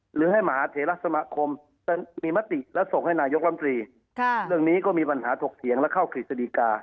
หรือให้มหาเทราสมาคมมีมติและส่งให้นายกรัมตรีเรื่องนี้ก็มีปัญหาถกเถียงและเข้ากฤษฎีกา